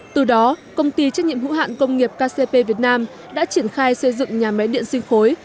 từ đó công ty trách nhiệm hữu hạn công nghiệp kcp việt nam đã triển khai xây dựng nhà máy điện sinh khối